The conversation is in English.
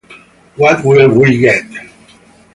What will we get?